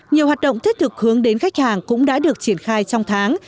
nhiều hoạt động thiết thực hướng đến khách hàng cũng đã được triển khai trong tháng